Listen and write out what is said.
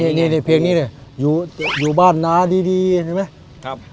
นี่นี่นี่เพียงนี้เนี่ยอยู่อยู่บ้านนาดีดีเห็นไหมครับ